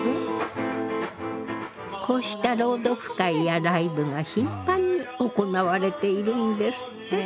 こうした朗読会やライブが頻繁に行われているんですって。